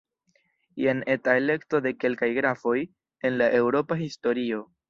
Jen eta elekto de kelkaj grafoj en la eŭropa historio.